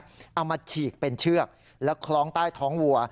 เอามาฉีกเป็นเชือกแล้วคล้องใต้ท้องวัว